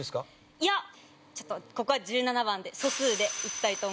いやちょっとここは１７番で素数でいきたいと思います。